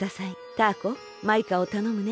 タアコマイカをたのむね。